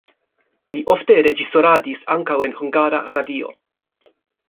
Li ofte reĝisoradis ankaŭ en Hungara Radio.